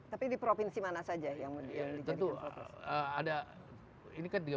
tapi di provinsi mana saja yang di jadikan provinsi